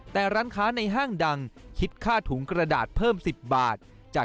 แต่ร้านค้าในห้างดังคิดค่าถุงกระดาษเพิ่ม๑๐บาทจาก